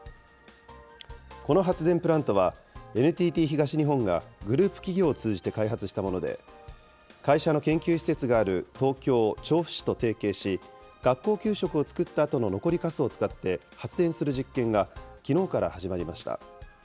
この発電プラントは、ＮＴＴ東日本がグループ企業を通じて開発したもので、会社の研究施設がある東京・調布市と提携し、学校給食を作ったあとの残りかすを使って発電する実験が、きのうから始まりました。